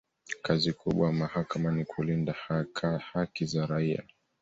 kazi kubwa ya mahakama ni kulinda haki za raia